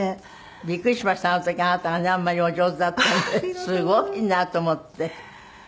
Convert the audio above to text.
あの時あなたがねあんまりお上手だったのですごいなと思って。